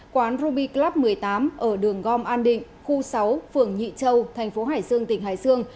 quán ruby club một mươi tám ở đường gom an định khu sáu phường nhị châu tp hải sương tỉnh hải sương